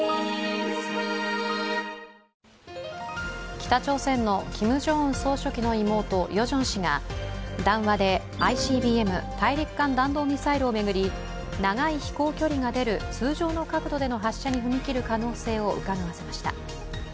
北朝鮮のキム・ジョンウン総書記の妹・ヨジョン氏が談話でＩＣＢＭ＝大陸間弾道ミサイルを巡り長い飛行距離が出る通常の角度での発射に踏み切る可能性をうかがわせました。